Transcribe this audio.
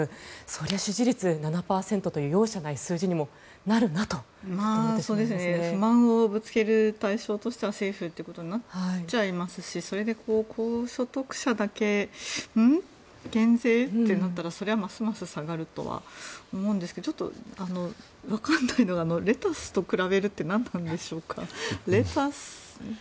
それは支持率７％という容赦ない数字にもなるなと不満をぶつける対象としては政府ということになっちゃいますしそれで、高所得者だけ減税？ってなったら、それはますます下がると思うんですがちょっとわからないのがレタスと比べるって何なんでしょうか。